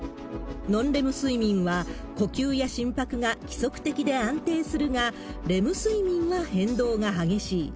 ノンレム睡眠は呼吸や心拍が規則的で安定するが、レム睡眠は変動が激しい。